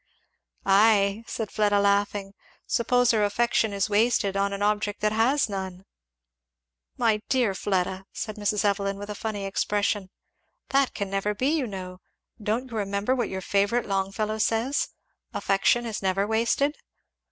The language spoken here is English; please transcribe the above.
"Ay," said Fleda laughing, "suppose her affection is wasted on an object that has none?" "My dear Fleda!" said Mrs. Evelyn with a funny expression, "that can never be, you know don't you remember what your favourite Longfellow says 'affection never is wasted'?